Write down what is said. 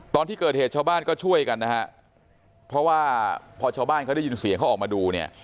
ตอนที่เกิดเหตุชาวบ้านก็ช่วยกันนะฮะเพราะว่าพอชาวบ้านเขาได้ยินเสียงเขาออกมาดูเนี่ย